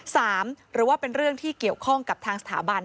หรือว่าเป็นเรื่องที่เกี่ยวข้องกับทางสถาบัน